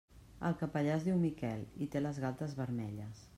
El capellà es diu Miquel i té les galtes vermelles.